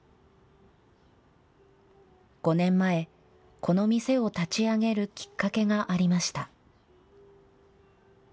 ５年前、この店を立ち上げるきっかけがありました。